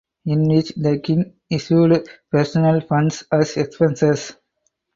In which the king issued personal funds as expenses.